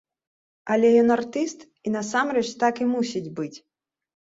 Але ён артыст, і насамрэч, так і мусіць быць!